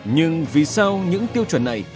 nhưng vì sao những tiêu chuẩn này